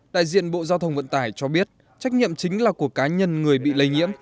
đại diện bộ giao thông vận tải cho biết trách nhiệm chính là của cá nhân người bị lây nhiễm